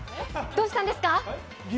どうしたんですか？